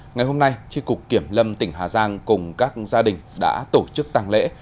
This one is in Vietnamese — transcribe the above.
ngày hôm nay tri cục kiểm lâm tỉnh hà giang cùng các gia đình đã tổ chức tàng lễ